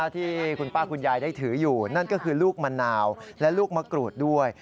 ที่คุณป้าคุณยายได้ถืออยู่นั่นก็คือลูกมะนาวและลูกมะกรูดด้วย